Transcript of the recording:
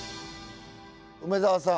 梅沢さん